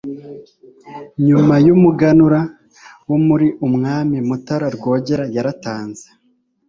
Nyuma y' umuganura wo muri Umwami Mutara Rwogera yaratanze,